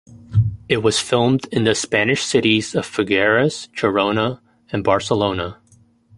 It was filmed in the Spanish cities of Figueras, Girona and Barcelona.